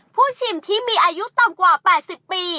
ชิมที่มีอายุต่ำกว่า๘๐ปี